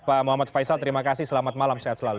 pak muhammad faisal terima kasih selamat malam sehat selalu